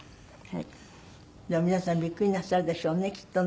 でも皆さんビックリなさるでしょうねきっとね。